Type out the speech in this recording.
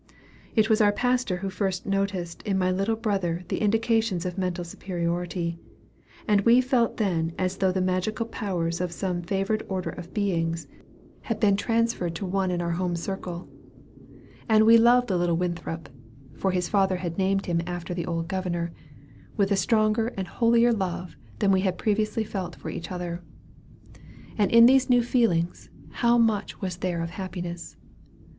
It was our pastor who first noticed in my little brother the indications of mental superiority; and we felt then as though the magical powers of some favored order of beings had been transferred to one in our own home circle; and we loved the little Winthrop (for father had named him after the old governor) with a stronger and holier love than we had previously felt for each other. And in these new feelings how much was there of happiness!